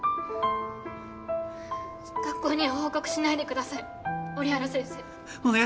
学校には報告しないでください折原先生。